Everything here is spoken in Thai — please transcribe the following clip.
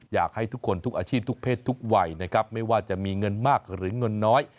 อยากให้ทุกคนทุกอาชีพทุกเพศทุกวัยนะครับไม่ว่าจะมีเงินมากหรือเงินน้อย